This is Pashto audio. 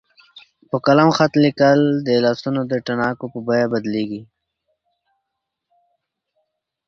په قلم خط لیکل د لاسونو د تڼاکو په بیه بدلیږي.